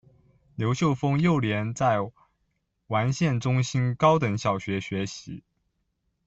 刘秀峰幼年在完县中心高等小学学习。